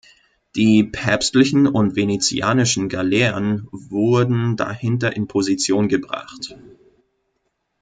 Die päpstlichen und venezianischen Galeeren wurden dahinter in Position gebracht.